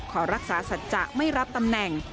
ขอรักษาสัจจะไม่รับตำแหน่ง